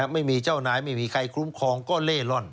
ไม่มีเจ้านายไม่มีใครคุ้มครองก็เล่ร่อน